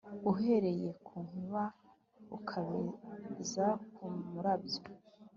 Uhereye ku nkuba ukabeza ku murabyo